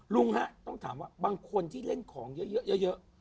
ลุงฮะต้องถามว่าบางคนที่เล่นของเยอะ